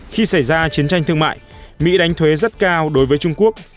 khi xảy ra chiến tranh thương mại mỹ đánh thuế rất cao đối với trung quốc